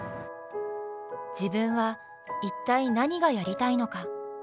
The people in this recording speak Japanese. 自分は一体何がやりたいのか。